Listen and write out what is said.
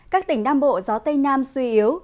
các tỉnh nam bộ gió tây nam suy yếu